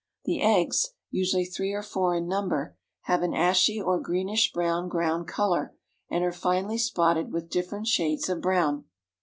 The eggs, usually three or four in number, have an ashy or greenish brown ground color and are finely spotted with different shades of brown.